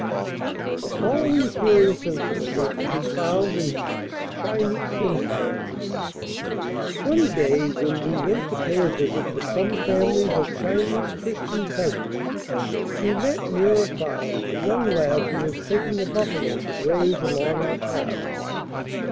The following curious incident is to be found in Huc's "Chinese Empire": "One day, when we went to pay a visit to some families of Chinese Christian peasants, we met, near a farm, a young lad, who was taking a buffalo to graze along our path.